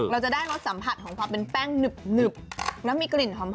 เราจะได้รสสัมผัสของความเป็นแป้งหนึบแล้วมีกลิ่นหอม